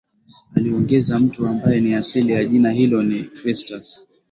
Aliongeza Mtu ambaye ni asili ya jina hilo ni Chrestus